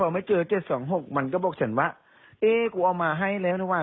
อ่าพอไม่เจอเจ็ดสองหกมันก็บอกฉันว่าเอ๊กูเอามาให้แล้วนะว่า